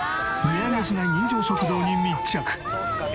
値上げしない人情食堂に密着！